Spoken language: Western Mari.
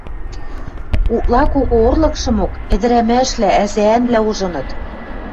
Утла кого орлыкшымок ӹдӹрӓмӓшвлӓ, ӓзӓӓнвлӓ ужыныт.